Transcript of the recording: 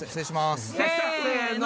せの！